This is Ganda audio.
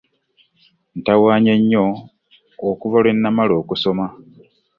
Ntawaanye nnyo okuva lwe nnamala okusoma.